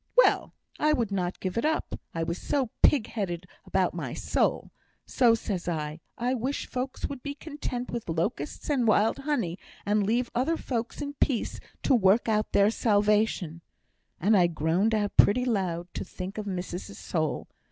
Well! I would not give it up, I was so pig headed about my soul; so says I, 'I wish folks would be content with locusts and wild honey, and leave other folks in peace to work out their salvation;' and I groaned out pretty loud to think of missus's soul.